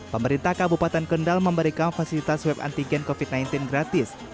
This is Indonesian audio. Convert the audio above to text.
pemerintah kabupaten kendal memberikan fasilitas swab antigen covid sembilan belas gratis